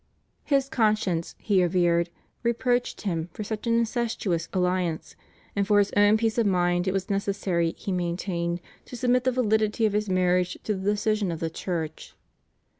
His conscience, he averred, reproached him for such an incestuous alliance, and for his own peace of mind it was necessary, he maintained, to submit the validity of his marriage to the decision of the Church.